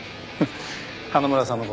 花村さんの事？